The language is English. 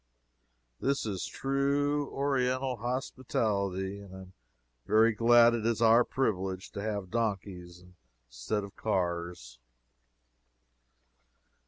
This is true Oriental hospitality. I am very glad it is our privilege to have donkeys instead of cars.